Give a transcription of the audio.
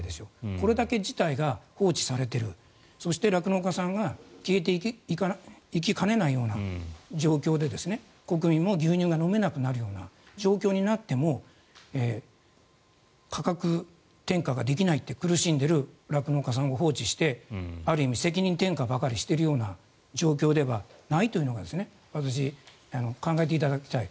これだけ事態が放置されているそして、酪農家さんが消えていきかねないような状況で国民も牛乳が飲めなくなるような状況になっても価格転嫁ができないって苦しんでいる酪農家さんを放置してある意味責任転嫁ばかりしているような状況ではないというのが私、考えていただきたい。